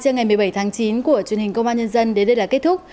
chương ngày một mươi bảy tháng chín của truyền hình công an nhân dân đến đây là kết thúc